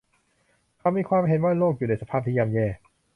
เขามีความเห็นว่าโลกอยู่ในสภาพที่ย่ำแย่